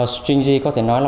stringy có thể nói là